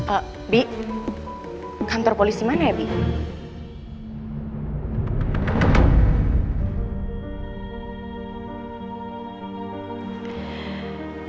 abi kantor polisi mana ya bi